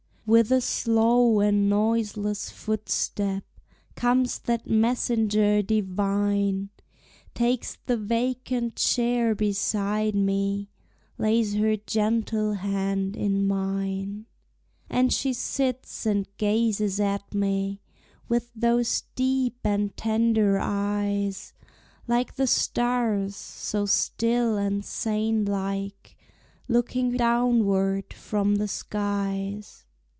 With a slow and noiseless footstep, Comes that messenger divine, Takes the vacant chair beside me, Lays her gentle hand in mine; And she sits and gazes at me With those deep and tender eyes, Like the stars, so still and saint like, Looking downward from the skies.